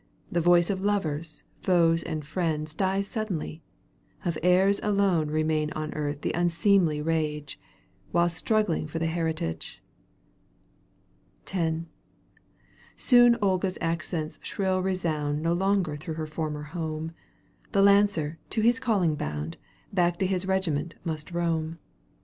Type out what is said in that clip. The voice of lovers, foes and friends, Dies suddenly : of heirs alone Bemains on earth the unseemly rage, Wlulst struggling for the heritage. X Soon Olga's accents shrill resound No longer through her former home ; The lancer, to his calling bound. Back to his regiment must roam.